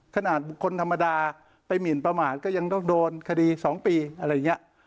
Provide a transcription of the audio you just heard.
ขนาดบุคคลธรรมดาไปหมินประมาทก็ยังต้องโดนคดี๒ปีอะไรอย่างนี้